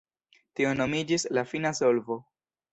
Tio nomiĝis “la fina solvo”.